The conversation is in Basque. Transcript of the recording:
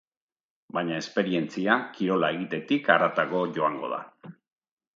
Baina esperientzia, kirola egitetik haratago joango da.